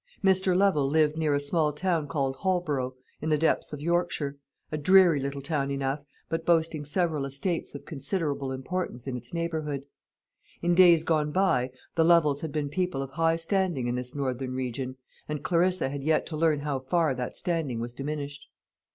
Mr. Lovel lived near a small town called Holborough, in the depths of Yorkshire; a dreary little town enough, but boasting several estates of considerable importance in its neighbourhood. In days gone by, the Lovels had been people of high standing in this northern region, and Clarissa had yet to learn how far that standing was diminished.